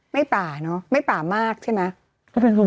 ป่าเนอะไม่ป่ามากใช่ไหม